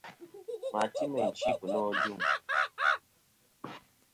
À ma ti meyn chi kɨ̀ nô ajûŋ.